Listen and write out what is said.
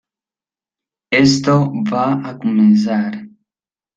esto va a comenzar.